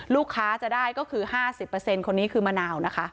ลูกค้าจะได้ก็คือ๕๐คนนี้คือมะนาวนะคะ